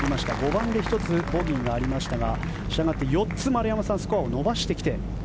５番で１つボギーがありましたがしたがって４つスコアを伸ばしてきて。